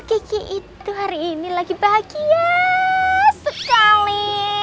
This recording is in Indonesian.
kiki itu hari ini lagi bahagia sekali